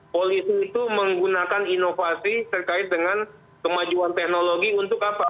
polisi itu menggunakan inovasi terkait dengan kemajuan teknologi untuk apa